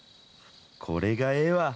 これがええわ。